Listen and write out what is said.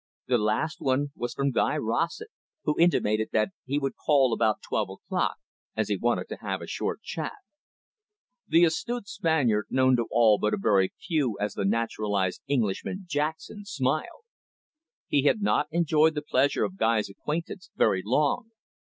The last one was from Guy Rossett, who intimated that he would call about twelve o'clock, as he wanted to have a short chat. The astute Spaniard, known to all but a very few as the naturalised Englishman, Jackson, smiled. He had not enjoyed the pleasure of Guy's acquaintance very long.